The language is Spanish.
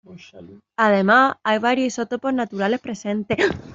Además, hay varios isótopos naturales presentes.